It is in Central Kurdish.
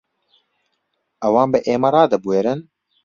ئەوان بە ئێمە ڕادەبوێرن؟